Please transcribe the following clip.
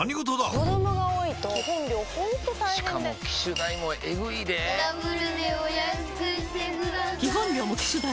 子供が多いと基本料ほんと大変でしかも機種代もエグいでぇダブルでお安くしてください